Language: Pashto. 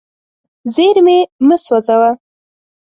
زیرمې مه سوځوه.